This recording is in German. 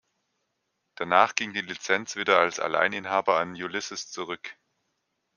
Danach ging die Lizenz wieder als Alleininhaber an Ulisses zurück.